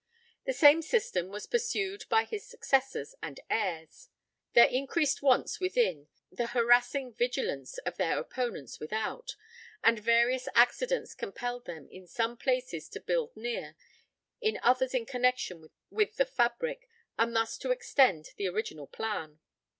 The same system was pursued by his successors and heirs: their increased wants within, the harassing vigilance of their opponents without, and various accidents compelled them in some places to build near, in others in connexion with the fabric, and thus to extend the original plan.